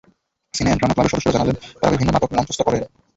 সিনে and drama ক্লাবের সদস্যরা জানালেন, তাঁরা বিভিন্ন নাটক মঞ্চস্থ করেন।